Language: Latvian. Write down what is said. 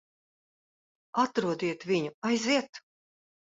Atrodiet viņu. Aiziet!